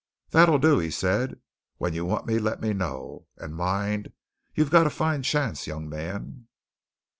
"That'll do," he said. "When you want me, let me know. And mind you've got a fine chance, young man."